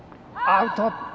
アウト。